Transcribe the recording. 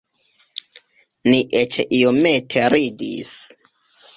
Ni eĉ iomete ridis.